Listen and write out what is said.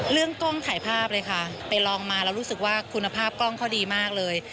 กล้องถ่ายภาพเลยค่ะไปลองมาแล้วรู้สึกว่าคุณภาพกล้องเขาดีมากเลย